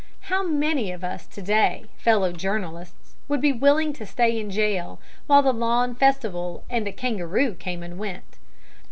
How many of us to day, fellow journalists, would be willing to stay in jail while the lawn festival and the kangaroo came and went?